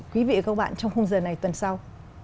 quý vị và các bạn trong khung giờ này tuần sau